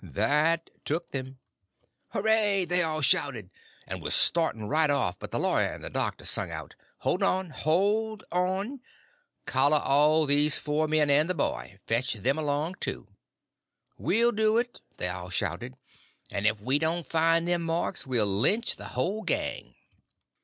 That took them. "Hooray!" they all shouted, and was starting right off; but the lawyer and the doctor sung out: "Hold on, hold on! Collar all these four men and the boy, and fetch them along, too!" "We'll do it!" they all shouted; "and if we don't find them marks we'll lynch the whole gang!"